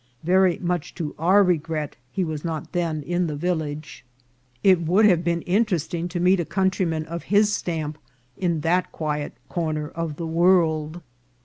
Very much to our regret, he was not then in the village. It 286 INCIDENTS OF TRAVEL. would have been interesting to meet a countryman of his stamp in that quiet corner of the world.